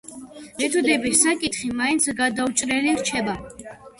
მეთოდების საკითხი მაინც გადაუჭრელი რჩება.